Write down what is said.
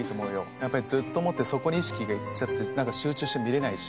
やっぱりずっと持ってそこに意識がいっちゃってなんか集中して見れないし。